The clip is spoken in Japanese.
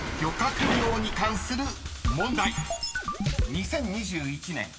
［２０２１年